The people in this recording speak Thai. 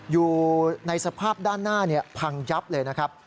อยู่ในสภาพด้านหน้าพังยับเลยนะครับ